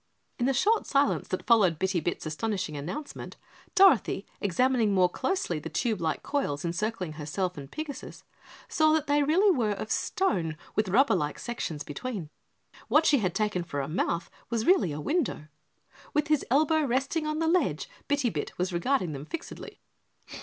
In the short silence that followed Bitty Bit's astonishing announcement, Dorothy, examining more closely the tube like coils encircling herself and Pigasus, saw that they really were of stone with rubber like sections between. What she had taken for a mouth was really a window. With his elbow resting on the ledge, Bitty Bit was regarding them fixedly.